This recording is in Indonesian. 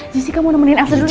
jessi kamu nemenin elsa dulu ya